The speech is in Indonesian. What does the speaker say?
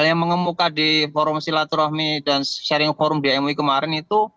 hal yang mengemukakan di forum silat rahmi dan sharing forum di mui kemarin itu